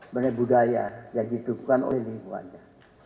mengenai budaya yang ditukukan oleh lingkungannya